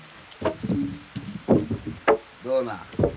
どうなん？